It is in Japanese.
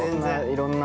◆いろんな。